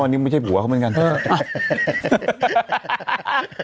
อันนี้ไม่ใช่ผัวเพราะเหมือนกัน